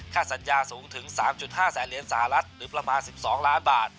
สัญญาสูงถึง๓๕แสนเหรียญสหรัฐหรือประมาณ๑๒ล้านบาท